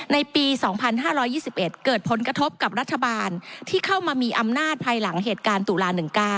ในปี๒๕๒๑เกิดผลกระทบกับรัฐบาลที่เข้ามามีอำนาจภายหลังเหตุการณ์ตุลา๑๙